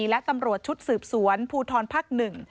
และตำรวจชุดสืบสวนภูทรภักดิ์หนึ่ง